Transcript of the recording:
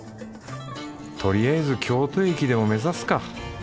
とりあえず京都駅でも目指すか。